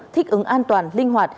thích ứng an toàn linh hoạt